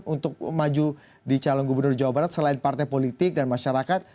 untuk maju di calon gubernur jawa barat selain partai politik dan masyarakat